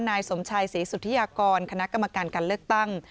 นายสมชัยศรีสุธิยากรคณะกรรมการการเลือกตั้ง